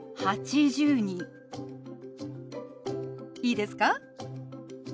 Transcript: いいですか？